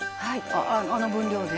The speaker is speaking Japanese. あの分量で？」